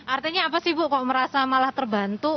artinya apa sih bu kok merasa malah terbantu